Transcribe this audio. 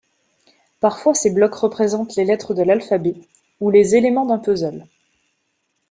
Parfois ces blocs représentent les lettres de l’alphabet, ou les éléments d'un puzzle.